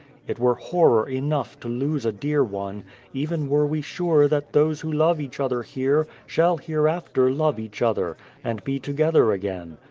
It were horror enough to lose a dear one, even were we sure that those who love each other here, shall hereafter love each other, and be together again.